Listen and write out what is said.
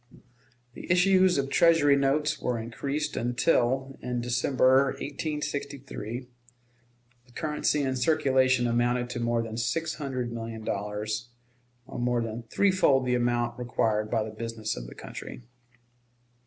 The issues of Treasury notes were increased until, in December, 1863, the currency in circulation amounted to more than six hundred million dollars, or more than threefold the amount required by the business of the country.